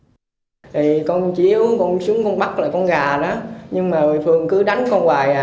thì con chiếu con xuống con bắt là con gà đó nhưng mà huỳnh văn phường cứ đánh con hoài à